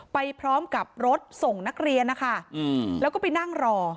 ไปพร้อมกับรถส่งนักเรียนนะคะแล้วก็ไปนั่งรอ